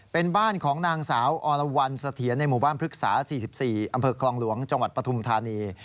เป็นบ้านของนางสาวอรวรรณเสถียรในหมู่บ้านพฤกษา๔๔อำเภอคลองหลวงจังหวัดปฐุมธานี